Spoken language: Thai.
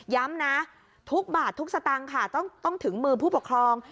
ย้ำนะทุกบาททุกสตางค์ค่ะต้องถึงมือผู้ปกครอง